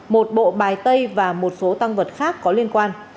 một bộ bài tay và một số tăng vật khác có liên quan